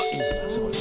すごい。